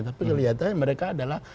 tapi melihatnya mereka adalah